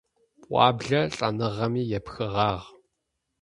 Пӏуаблэр лӏэныгъэми епхыгъагъ.